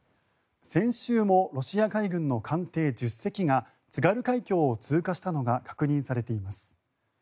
先週もロシア海軍の艦艇１０隻が津軽海峡を通過したのが確認されています。